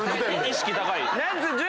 意識高い。